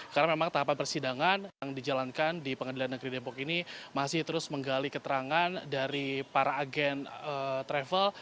karena memang tahapan persidangan yang dijalankan di pengadilan negeri depok ini masih terus menggali keterangan dari para agen travel